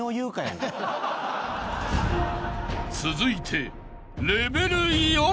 ［続いて］